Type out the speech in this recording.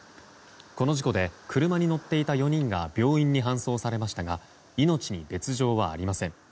この事故で車に乗っていた４人が病院に搬送されましたが命に別状はありません。